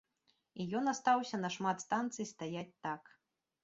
І ён астаўся на шмат станцый стаяць так.